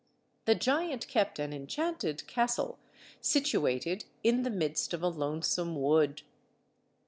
The giant kept an enchanted castle situated in the midst of a lonesome wood.